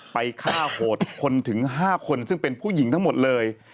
ไปฆ่าโหดคนถึง๕คนซึ่งเป็นผู้หญิงทั้งหมดเลย